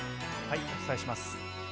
お伝えします。